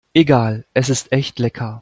Egal, es ist echt lecker.